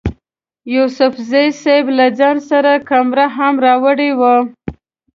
یوسفزي صیب له ځان سره کمره هم راوړې وه.